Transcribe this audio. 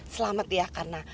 selamat iya karena